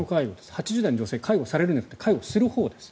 ８０代の女性介護されるんじゃなくて介護するほうです。